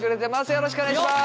よろしくお願いします。